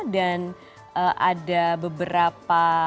dan ada beberapa